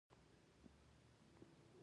هیڅوک پر ضد عمل نه شي کولای.